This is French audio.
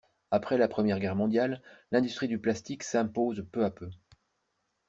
Après la Première Guerre mondiale, l’industrie du plastique s’impose peu à peu.